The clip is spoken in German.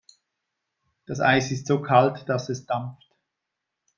Das Eis ist so kalt, dass es dampft.